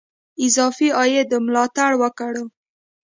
اضافي عاید ملاتړ وکړو.